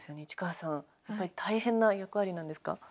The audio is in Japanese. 市川さんやはり大変な役割なんですか。